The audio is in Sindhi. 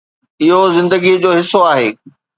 اهو زندگيءَ جو حصو آهي.